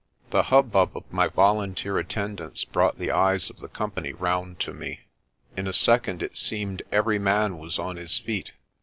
The hubbub of my volunteer attendants brought the eyes of the company round to me. In a second it seemed every man was on his feet.